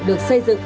được xây dựng